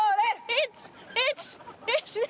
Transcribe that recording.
１１１２。